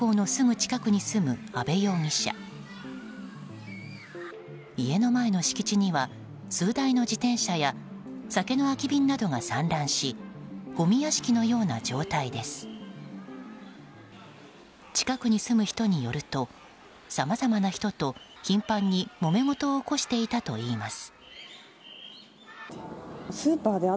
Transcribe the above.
近くに住む人によるとさまざまな人と頻繁に、もめ事を起こしていたといいます。